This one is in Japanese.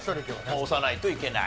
押さないといけない。